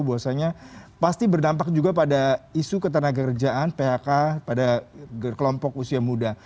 bahwasanya pasti berdampak juga pada isu ketenaga kerjaan phk pada kelompok usia muda